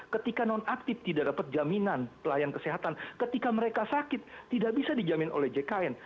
ketika non aktif tidak dapat jaminan pelayanan kesehatan ketika mereka sakit tidak bisa dijamin oleh jkn